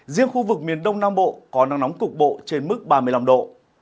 riêng khu vực miền đông nam bộ có nắng nóng cục bộ trên mức ba mươi năm độ